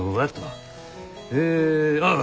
えああ。